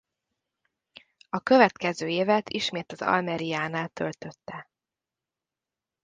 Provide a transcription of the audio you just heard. A következő évet ismét az Almeríánál töltötte.